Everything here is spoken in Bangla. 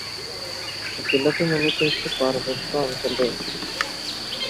জেলাতে মূলত একটি পার্বত্য অঞ্চল রয়েছে।